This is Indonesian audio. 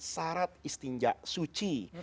syarat istinjak suci